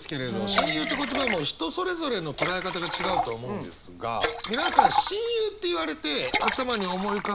「親友」って言葉人それぞれの捉え方が違うと思うんですが皆さん「親友」って言われて頭に思い浮かぶの何人ぐらいいます？